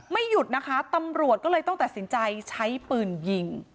หยุดนะคะตำรวจก็เลยต้องตัดสินใจใช้ปืนยิง